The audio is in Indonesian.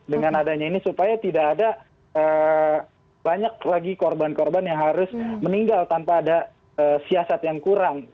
dengan adanya ini supaya tidak ada banyak lagi korban korban yang harus meninggal tanpa ada siasat yang kurang